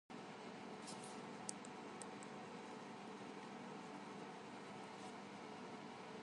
ある朝、兵十は戸を開けた瞬間に栗がこぼれ落ち、驚きながらもその温かい気持ちに胸を打たれました。